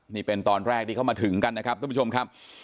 นี่เป็นตอนแรกที่เข้ามาถึงกันนะครับทุกผู้ชมครับ